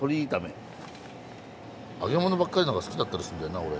揚げ物ばっかりの方が好きだったりすんだよな俺。